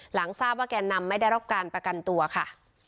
หลังทราบว่าแกนนำไม่ได้รับการประกันตัวค่ะ